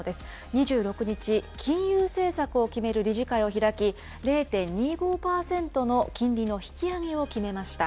２６日、金融政策を決める理事会を開き、０．２５％の金利の引き上げを決めました。